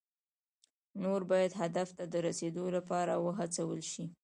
نور باید هدف ته د رسیدو لپاره وهڅول شي.